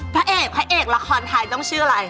พระเอกพระเอกละครไทยต้องชื่ออะไร